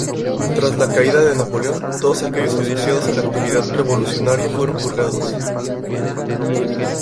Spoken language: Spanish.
Tras la caída de Napoleón, todos aquellos asociados a la actividad revolucionaria fueron purgados.